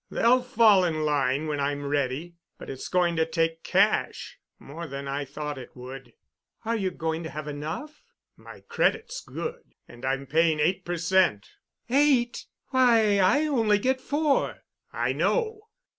They'll fall in line when I'm ready. But it's going to take cash—more than I thought it would." "Are you going to have enough?" "My credit's good, and I'm paying eight per cent." "Eight? Why, I only get four!" "I know.